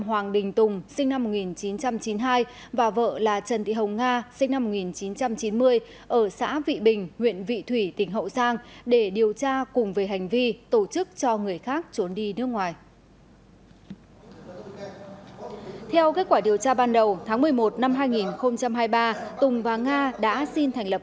hoàng đình tùng sinh năm một nghìn chín trăm chín mươi hai và vợ là trần thị hồng nga sinh năm một nghìn chín trăm chín mươi hai